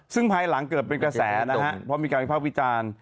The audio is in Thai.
ซึ่งภายหลังเกิดไปเกษาแห่นะฮะเพราะมีการอิ่มภาพวิจาร